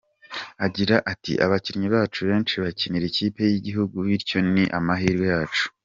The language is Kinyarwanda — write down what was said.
Agira ati: “Abakinnyi bacu benshi bakinira ikipe y’igihugu bityo ni amahirwe yacu.